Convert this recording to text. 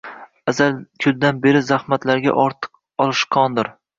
Azal kundan beri zahmatlarga ortiq olishqondir